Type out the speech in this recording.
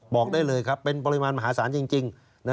บอกได้เลยครับเป็นปริมาณมหาศาลจริง